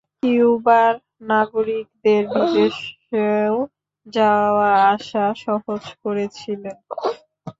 কিউবার নাগরিকদের বিদেশও যাওয়া আসা সহজ করেছিলেন।